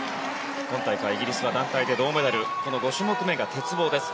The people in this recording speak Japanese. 今大会、イギリスは団体で銅メダルこの５種目目が鉄棒です。